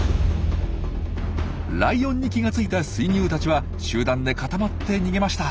ライオンに気が付いたスイギュウたちは集団でかたまって逃げました。